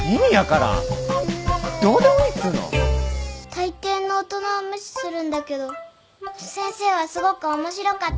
たいていの大人は無視するんだけど先生はすごく面白かった。